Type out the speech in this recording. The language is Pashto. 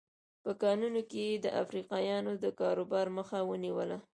په کانونو کې یې د افریقایانو د کاروبار مخه ونیوله.